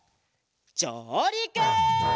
じょうりく！